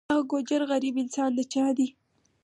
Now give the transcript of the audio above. دغه ګوجر غریب انسان د چا دی.